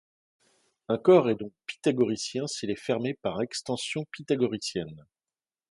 Un corps est donc pythagoricien s'il est fermé par extensions pythagoriciennes.